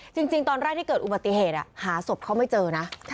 จริงตอนแรกที่เกิดอุบัติเหตุหาศพเขาไม่เจอนะ